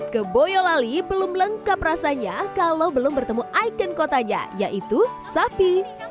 ke boyolali belum lengkap rasanya kalau belum bertemu ikon kotanya yaitu sapi